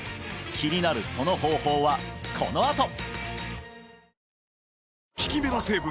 気になるその方法はこのあと！